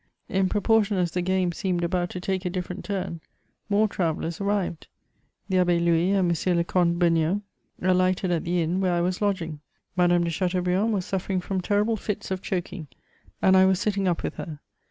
In proportion as the game seemed about to take a different turn, more travellers arrived. The Abbé Louis and M. le Comte Beugnot alighted at the inn where I was lodging. Madame de Chateaubriand was suffering from terrible fits of choking, and I was sitting up with her.